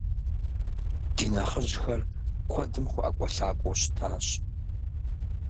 Ди нэхъыжьхэр куэдым хуэӏэкӏуэлъакӏуэу щытащ.